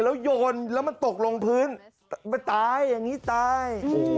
แล้วโยนแล้วมันตกลงพื้นมันตายอย่างนี้ตาย